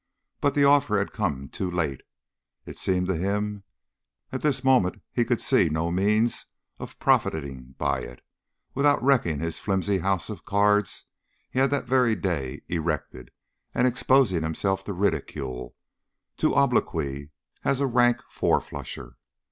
But the offer had come too late, it seemed to him; at this moment he could see no means of profiting by it without wrecking the flimsy house of cards he had that very day erected and exposing himself to ridicule, to obloquy as a rank four flusher.